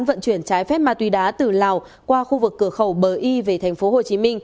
vận chuyển trái phép ma túy đá từ lào qua khu vực cửa khẩu bờ y về tp hcm